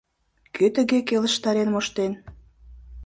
— Кӧ тыге келыштарен моштен?